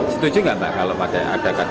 setuju gak pak kalau ada ktp digital begitu